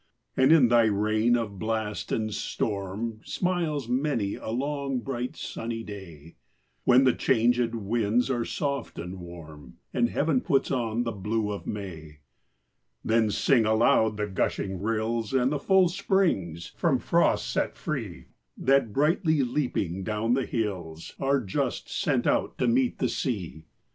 And, in thy reign of blast and storm, Smiles many a long, bright sunny day, When the changed winds are soft and warm, And heaven puts on the blue of May. Then sing aloud the gushing rills And the full springs, from frosts set free, That, brightly leaping down the hills, Are just sent out to meet the sea.